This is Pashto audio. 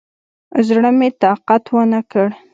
زړه مې طاقت ونکړ.